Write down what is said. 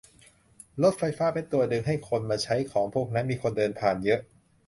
รถไฟฟ้าเป็นตัวดึงให้คนมาใช้ของพวกนั้น มีคนเดินผ่านเยอะ